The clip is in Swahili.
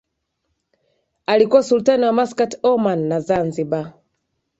alikuwa Sultani wa Maskat Oman na Zanzibar